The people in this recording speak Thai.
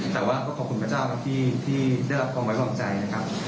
แต่ว่าก็ขอบคุณพระเจ้าครับที่ได้รับความไว้วางใจนะครับ